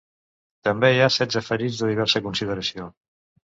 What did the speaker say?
També hi ha setze ferits de diversa consideració.